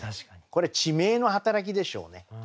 これ地名の働きでしょうね。